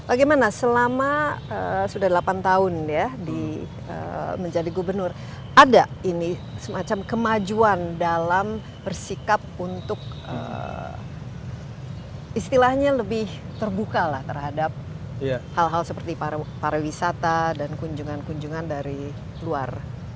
bagaimana selama sudah delapan tahun menjadi gubernur ada ini semacam kemajuan dalam bersikap untuk istilahnya lebih terbuka lah terhadap hal hal seperti pariwisata dan kunjungan kunjungan dari luar